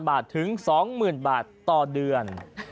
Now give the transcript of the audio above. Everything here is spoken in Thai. ๑๕๐๐๐บาทถึง๒๐๐๐๐บาทต่อเดือน